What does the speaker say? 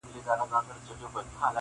قرباني بې وسه پاتې کيږي تل,